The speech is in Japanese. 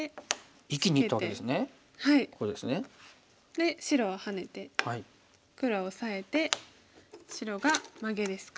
で白はハネて黒はオサえて白がマゲですか。